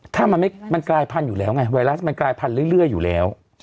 ถ้ามันกลายพันธุ์อยู่แล้วไงไวรัสมันกลายพันธุ์เรื่อยอยู่แล้ว